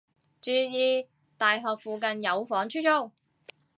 注意！大學附近有房出租